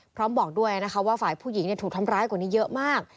พร้อมบอกด้วยน่ะนะคะว่าฝ่ายผู้หญิงถูกทำร้ายคนอื่นเยอะมาก